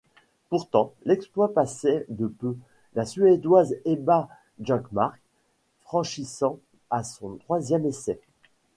Pourtant, l'exploit passait de peu, la Suédoise Ebba Jungmark franchissant à son troisième essai.